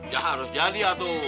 ya harus jadi ya tuh